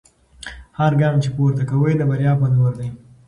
هر ګام چې پورته کوئ د بریا په لور دی.